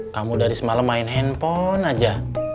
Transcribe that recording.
kamu dari semalam main handphone aja